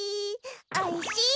おいしイ。